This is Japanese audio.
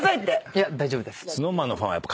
いや大丈夫です。